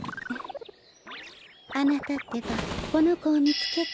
あなたってばこのこをみつけて。